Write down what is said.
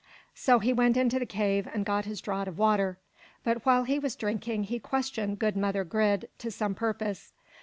So he went into the cave and got his draught of water. But while he was drinking, he questioned good mother Grid to some purpose.